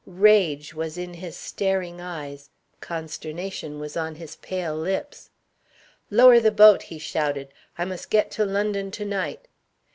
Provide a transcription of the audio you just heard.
Rage was in his staring eyes, consternation was on his pale lips. "Lower the boat!" he shouted; "I must get to London to night."